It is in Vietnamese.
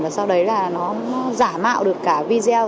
và sau đấy là nó giả mạo được cả video